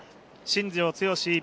新庄剛志